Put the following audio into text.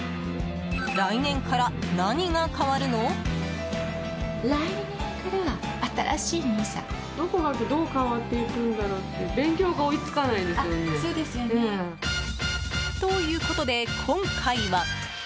来年から何が変わるの？ということで今回は。